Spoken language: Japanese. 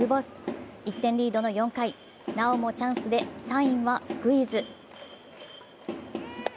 １点リードの４回、なおもチャンスでサインはスクイズ。